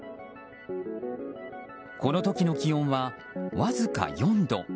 この時の気温はわずか４度。